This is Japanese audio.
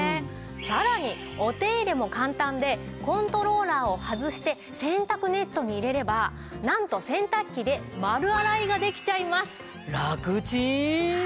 さらにお手入れも簡単でコントローラーを外して洗濯ネットに入れればなんと洗濯機で丸洗いができちゃいます！